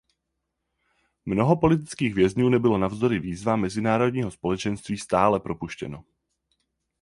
Mnoho politických vězňů nebylo navzdory výzvám mezinárodního společenství stále propuštěno.